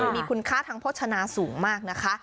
มีคุณค่าทางโภชนาสูงมากนะคะ